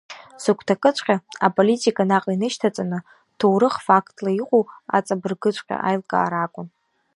Сыгәҭакыҵәҟьа, аполитика наҟ инышьҭаҵаны, ҭоурых фактла иҟоу аҵабыргыҵәҟьа аилкаара акәын.